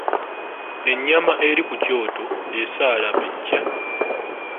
Ennyama eri ku kyoto esaala be cca